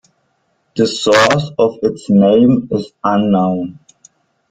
The source of its name is unknown.